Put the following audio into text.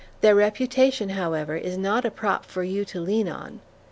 Their reputation, however, is not a prop for you to lean on.